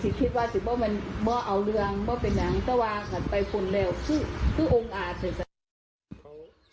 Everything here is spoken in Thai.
ไม่เป็นยังไงก็วางไปคนแล้วซึ่งท่านอาจ